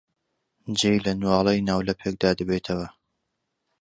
جێی لە نواڵەی ناولەپێکدا دەبێتەوە.